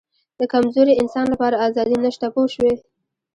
د کمزوري انسان لپاره آزادي نشته پوه شوې!.